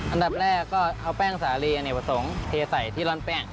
อันดับแรกก็เอาแป้งสาลีอันนี้ผสมเทใส่ที่ร่อนแป้ง